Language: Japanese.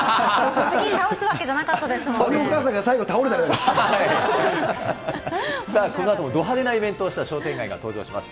次、倒すわけじゃなかったですもあのお母さんが最後、倒れたこのあともど派手なイベントをした商店街が登場します。